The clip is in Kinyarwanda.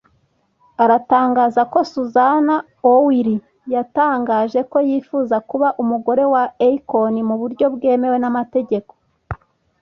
aratangaza ko Susan owiri yatangaje ko yifuza kuba umugore wa Akon mu buryo bwemewe n’amategeko